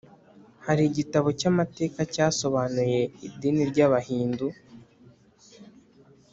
hari igitabo cy’amateka cyasobanuye idini ry’abahindu